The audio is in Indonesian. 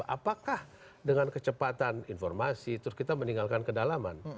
apakah dengan kecepatan informasi terus kita meninggalkan kedalaman